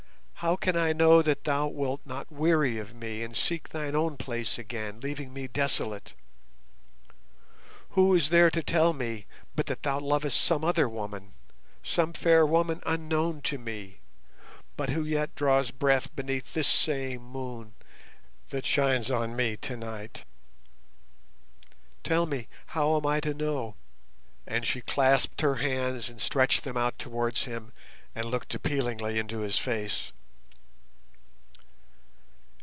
How can I know that thou wilt not weary of me and seek thine own place again, leaving me desolate? Who is there to tell me but that thou lovest some other woman, some fair woman unknown to me, but who yet draws breath beneath this same moon that shines on me tonight? Tell me how am I to know?" And she clasped her hands and stretched them out towards him and looked appealingly into his face.